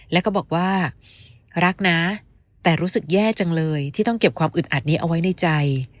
แล้วก็บอกว่ารักนะแต่รู้สึกแย่จังเลยที่ต้องเก็บความอึดอัดนี้เอาไว้ในใจ